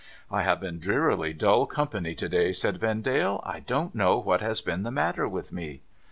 ' I have been drearily dull company to day,' said Vendale. ' I don't know^ what has been the matter with me.'